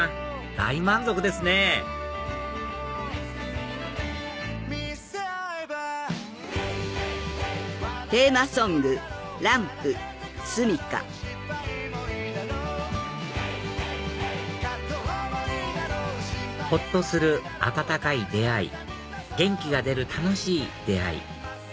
大満足ですねほっとする温かい出会い元気が出る楽しい出会い